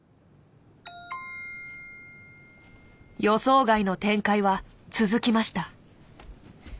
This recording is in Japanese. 予想外の展開は続きました。